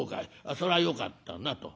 それはよかったな』と。